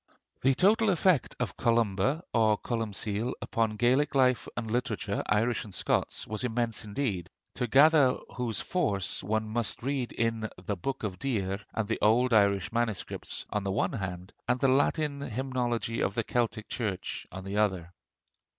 The total effect of Columba, or Columcill, upon Gaelic life and literature, Irish and Scots, was immense indeed; to gather whose force one must read in the 'Book of Deer' and the old Irish MSS. on the one hand, and the Latin hymnology of the Celtic church on the other.